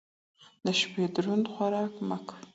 د شپې دروند خوراک مه کوه